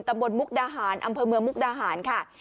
มุกดาหารอำเภอเมืองมุกดาหารค่ะ